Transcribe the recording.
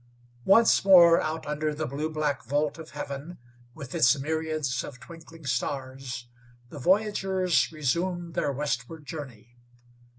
Once more out under the blue black vault of heaven, with its myriads of twinkling stars, the voyagers resumed their westward journey.